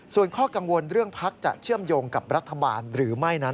ส่วนข้อกังวลเรื่องพักจะเชื่อมโยงกับรัฐบาลหรือไม่นั้น